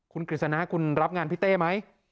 คุณกฤษณะคุณรับงานพี่เต้ไหม